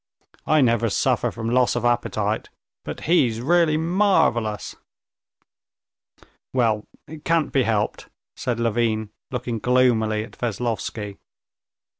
"I never suffer from loss of appetite, but he's really marvelous!..." "Well, it can't be helped," said Levin, looking gloomily at Veslovsky.